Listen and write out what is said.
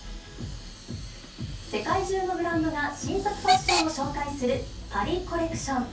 世界中のブランドが、新作ファッションを紹介するパリコレクション。